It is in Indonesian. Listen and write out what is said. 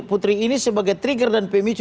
putri ini sebagai trigger dan pemicu